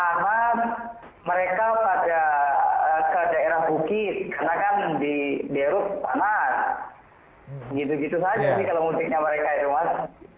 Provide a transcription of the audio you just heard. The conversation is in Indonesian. gitu gitu saja sih kalau mudiknya mereka itu mas